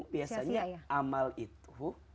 biasanya amal itu